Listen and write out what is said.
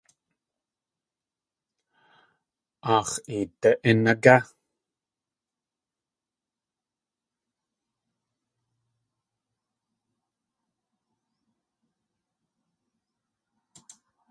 Aax̲ eeda.ín ágé?